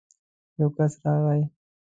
يو کس راغی.